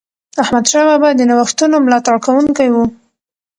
احمدشاه بابا د نوښتونو ملاتړ کوونکی و.